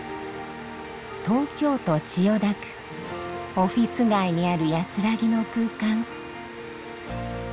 オフィスがいにあるやすらぎの空間。